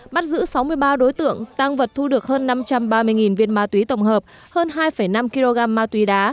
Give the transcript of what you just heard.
bắt giữ sáu mươi ba đối tượng tăng vật thu được hơn năm trăm ba mươi viên ma túy tổng hợp hơn hai năm kg ma túy đá